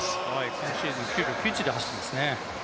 今シーズン９秒９１で走っていますね。